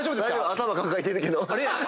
頭抱えてるけど。